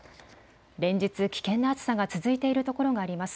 連日、危険な暑さが続いているところがあります。